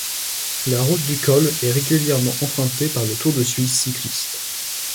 La route du col est régulièrement empruntée par le Tour de Suisse cycliste.